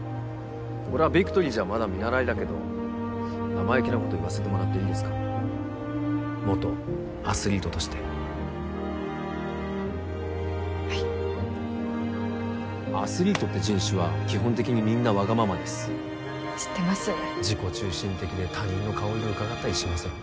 俺はビクトリーじゃまだ見習いだけど生意気なこと言わせてもらっていいですか元アスリートとしてはいアスリートって人種は基本的にみんなわがままです知ってます自己中心的で他人の顔色うかがったりしません